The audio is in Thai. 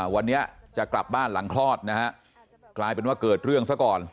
วันนี้จะกลับบ้านหลังคลอดนะฮะกลายเป็นว่าเกิดเรื่องซะก่อน